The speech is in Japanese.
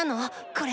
これ。